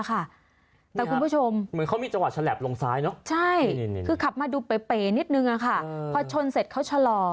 คุณผู้ชมคือขับมาดูเป๋ยนิดนึงพอชนเสร็จเขาชะล่อ